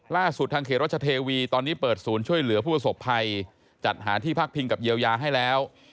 ล่าสุดทางเขตรัชเทวีตอนนี้เปิดศูนย์ช่วยเหลือผู้ประสบภัยจัดหาที่พักพิงกับเยียวยาให้แล้ว